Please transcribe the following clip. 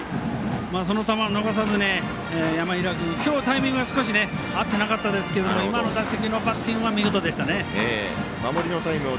その球を逃さず、山平君少し合ってなかったですけど今の打席のバッティングは見事でしたね。